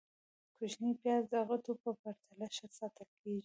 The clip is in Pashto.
- کوچني پیاز د غټو په پرتله ښه ساتل کېږي.